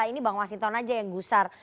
ini bang mas hinton aja yang gusar